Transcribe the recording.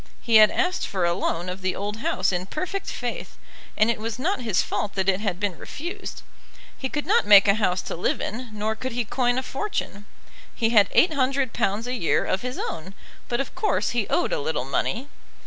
He had asked for a loan of the old house in perfect faith, and it was not his fault that it had been refused. He could not make a house to live in, nor could he coin a fortune. He had £800 a year of his own, but of course he owed a little money.